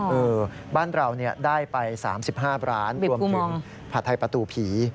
เออบ้านเราได้ไป๓๕ร้านรวมถึงผัดไทยประตูผี